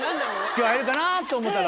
今日会えるかなと思ったら。